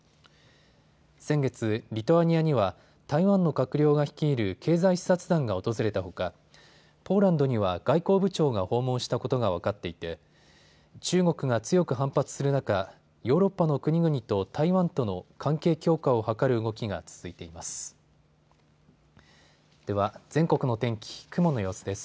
先月、リトアニアには台湾の閣僚が率いる経済視察団が訪れたほかポーランドには外交部長が訪問したことが分かっていて中国が強く反発する中、ヨーロッパの国々と台湾との関係強化を図る動きが続いています。